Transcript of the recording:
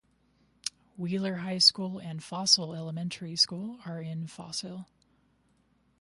Wheeler High School and Fossil Elementary School are in Fossil.